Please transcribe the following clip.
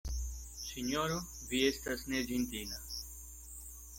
Sinjoro, vi estas neĝentila.